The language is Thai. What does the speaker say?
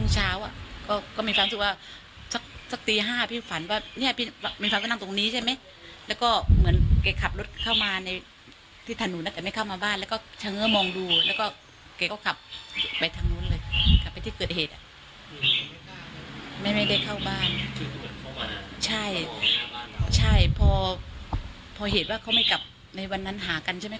ใช่พอเห็นว่าเขาไม่กลับในวันนั้นหากันใช่ไหม